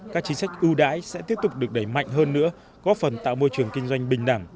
các chính sách ưu đãi sẽ tiếp tục được đẩy mạnh hơn nữa góp phần tạo môi trường kinh doanh bình đẳng